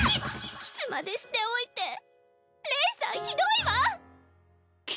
キスまでしておいてレイさんひどいわ！キス？